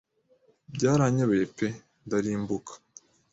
Byaranyobeye pe ndarimbuka